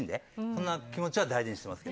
そういう気持ちは大事にしてます。